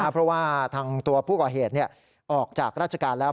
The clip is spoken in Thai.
เพราะว่าทางตัวผู้ก่อเหตุออกจากราชการแล้ว